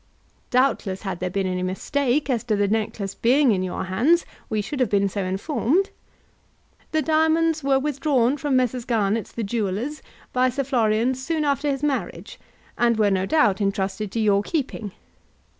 Doubtless had there been any mistake as to the necklace being in your hands we should have been so informed. The diamonds were withdrawn from Messrs. Garnett's, the jewellers, by Sir Florian soon after his marriage, and were, no doubt, entrusted to your keeping.